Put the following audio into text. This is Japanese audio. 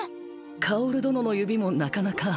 薫殿の指もなかなか。